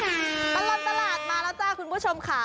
ตลอดตลาดมาแล้วจ้าคุณผู้ชมค่ะ